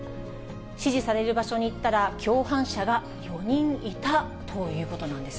指示される場所に行ったら、共犯者が４人いたということなんです。